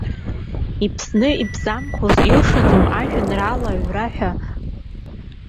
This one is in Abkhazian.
Иԥсны ибзамхаз илшаӡом ажәеинраала аҩра ҳәа.